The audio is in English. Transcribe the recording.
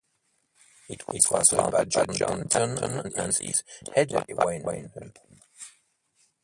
It was founded by John Tanton and is headed by Wayne Lutton.